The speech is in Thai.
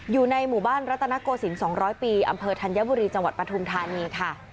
อยู่ในหมู่บ้านรัตนโกศิลป์๒๐๐ปีอำเภอธัญบุรีจังหวัดปฐุมธานีค่ะ